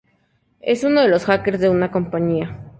Es uno de los hackers de una compañía.